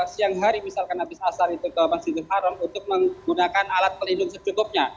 siang hari misalkan habis asar itu ke masjidil haram untuk menggunakan alat pelindung secukupnya